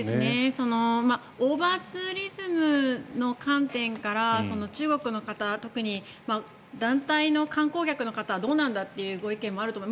オーバーツーリズムの観点から中国の方特に団体の観光客の方はどうなんだというご意見もあると思う。